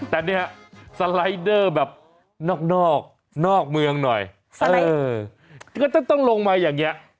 แต่เนี่ยสไลด์เดอร์แบบนอกนอกเมืองหน่อยก็ต้องลงมาอย่างนี้